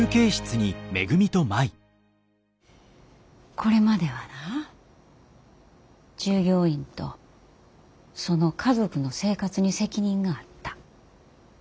これまではな従業員とその家族の生活に責任があった。